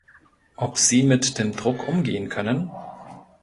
Ob sie mit dem Druck umgehen können?